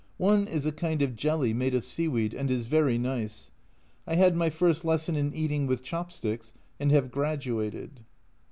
One is a kind of jelly, made of seaweed, and is very nice. I had my first lesson in eating with chop sticks, and have '' graduated.